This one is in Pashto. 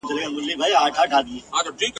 دې تور مارته له خالقه سزا غواړم ..